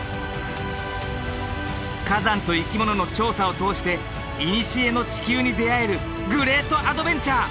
火山と生き物の調査を通していにしえの地球に出会えるグレートアドベンチャー！